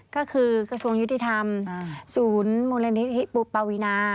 ก็คือกระทรวงยุติธรรมศูนย์มูลนิธิปุปาวินา